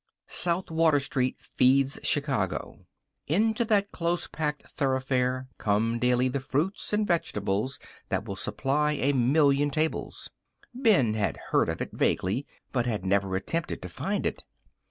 South Water Street feeds Chicago. Into that close packed thoroughfare come daily the fruits and vegetables that will supply a million tables. Ben had heard of it, vaguely, but had never attempted to find it.